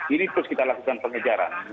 ini terus kita lakukan pengejaran